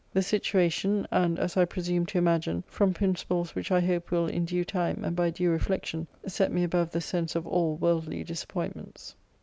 The situation; and, as I presume to imagine, from principles which I hope will, in due time, and by due reflection, set me above the sense of all worldly disappointments.